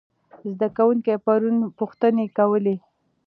زده کوونکي پرون پوښتنې کولې.